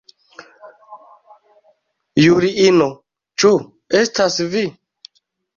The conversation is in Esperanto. Juliino, ĉu estas vi?